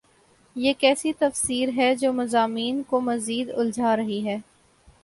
یہ کیسی تفسیر ہے جو مضامین کو مزید الجھا رہی ہے؟